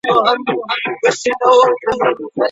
مشران بې پوښتني نه پریښودل کېږي.